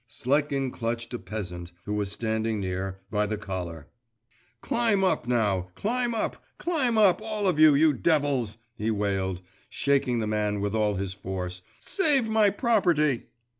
Sletkin clutched a peasant, who was standing near, by the collar. 'Climb up now, climb up, climb up, all of you, you devils,' he wailed, shaking the man with all his force, 'save my property!